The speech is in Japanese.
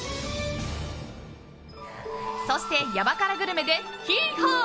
そして、ヤバ辛グルメでヒーハー！